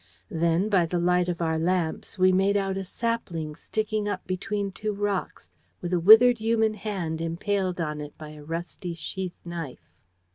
Then, by the light of our lamps, we made out a sapling sticking up between two rocks, with a withered human hand impaled on it by a rusty sheath knife.